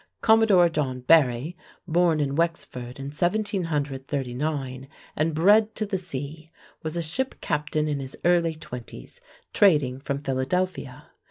Commodore John Barry, born in Wexford in 1739 and bred to the sea, was a ship captain in his early twenties, trading from Philadelphia.